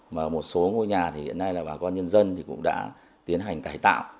mà một số ngôi nhà thì hiện nay là bà con nhân dân thì cũng đã tiến hành cải tạo